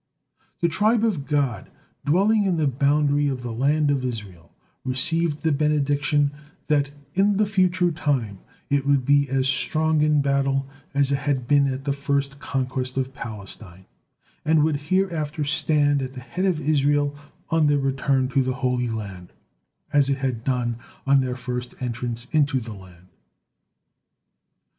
The tribe of Gad, dwelling on the boundary of the land of Israel, received the benediction that in "the future time" it would be as strong in battle as it had been at the first conquest of Palestine, and would hereafter stand at the head of Israel on their return to the Holy Land, as it had done on their first entrance into the land.